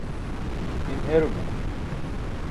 in herumo